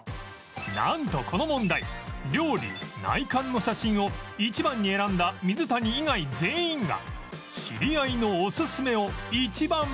なんとこの問題料理・内観の写真を１番に選んだ水谷以外全員が知り合いのおすすめを１番目に